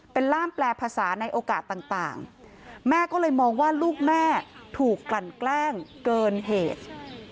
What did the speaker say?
เป็นล่ามแปลภาษาในโอกาสต่างแม่ก็เลยมองว่าลูกแม่ถูกกลั่นแกล้งเกินเหตุ